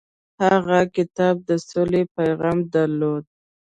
هغه کتاب د سولې پیغام درلود.